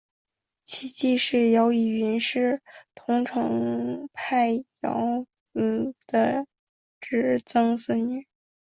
其继室姚倚云是桐城派姚鼐的侄曾孙女。